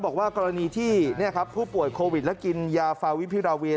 บอกว่ากรณีที่ผู้ป่วยโควิดและกินยาฟาวิพิราเวีย